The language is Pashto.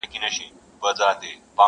کلي ودان کورونه!!